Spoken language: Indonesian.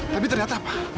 tapi ternyata apa